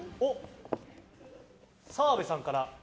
澤部さんから。